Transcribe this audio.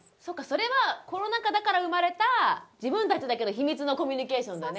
それはコロナ禍だから生まれた自分たちだけの秘密のコミュニケーションだね。